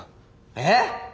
えっ？